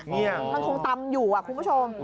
มันคงตำอยู่ครูผู้ชม